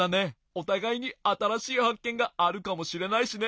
おたがいにあたらしいはっけんがあるかもしれないしね。